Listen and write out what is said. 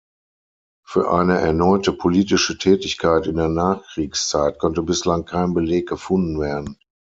Für eine erneute politische Tätigkeit in der Nachkriegszeit konnte bislang kein Beleg gefunden werden.